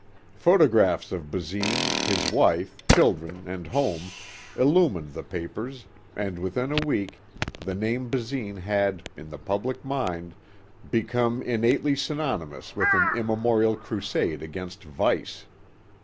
Photographs of Basine, his wife, children, and home, illumined the papers and within a week the name Basine had, in the public mind, become innately synonymous with an immemorial crusade against vice.